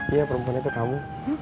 iya perempuan itu kamu